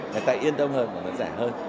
người ta yên tâm hơn là nó rẻ hơn